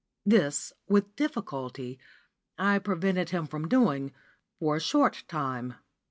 This, with difficulty, I prevented him doing for a short time.